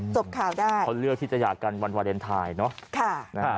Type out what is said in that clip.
จบข่าวได้เขาเลือกที่จะอยากกันวันวาเลนไทยเนอะ